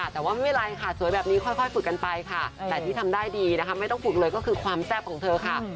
แต่ว่าไม่เป็นไรค่ะสวยแบบนี้ค่อยฝึกกันไปค่ะแต่ที่ทำได้ดีนะคะไม่ต้องฝึกเลยก็คือความแซ่บของเธอค่ะ